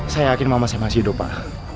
saya yakin mama saya masih hidup pak